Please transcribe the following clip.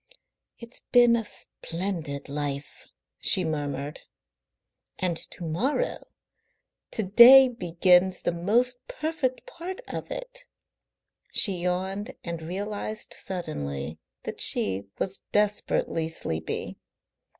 "It's been a splendid life," she murmured, "and to morrow to day begins the most perfect part of it." She yawned and realised suddenly that she was desperately sleepy.